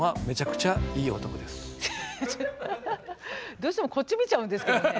どうしてもこっち見ちゃうんですけどね。